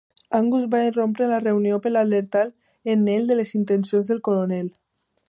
Angus va irrompre a la reunió per alertar en Neil de les intencions del coronel.